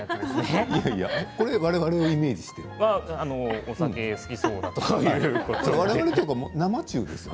これはわれわれをイメージしているんですか？